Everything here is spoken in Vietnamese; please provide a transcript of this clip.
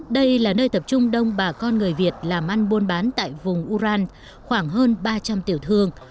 đây là nơi tập trung đông bà con người việt làm ăn buôn bán tại vùng urran khoảng hơn ba trăm linh tiểu thương